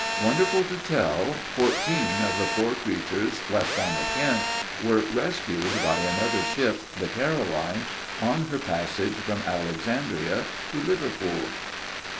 Wonderful to tell, fourteen of the poor creatures, left on the Kent, were rescued by another ship, the Caroline, on her passage from Alexandria to Liverpool.